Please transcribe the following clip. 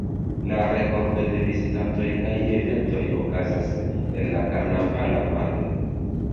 La rekordo de vizitantoj kaj eventoj okazas en la karnavala mardo.